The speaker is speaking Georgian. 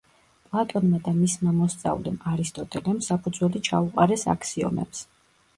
პლატონმა და მისმა მოსწავლემ, არისტოტელემ, საფუძველი ჩაუყარეს აქსიომებს.